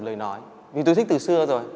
lời nói vì tôi thích từ xưa rồi